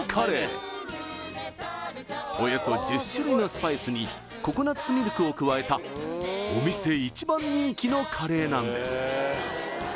およそ１０種類のスパイスにココナッツミルクを加えたお店一番人気のカレーなんです